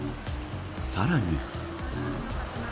さらに。